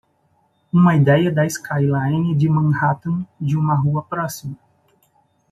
Uma ideia da skyline de Manhattan de uma rua próxima.